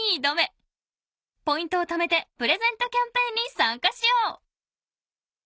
［ポイントをためてプレゼントキャンペーンに参加しよう］